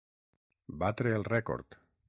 Batre el rècord.